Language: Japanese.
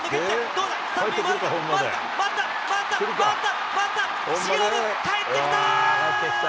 どうだ、３塁回るか、回った、回った、重信、かえってきた。